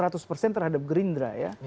terhadap grindra ya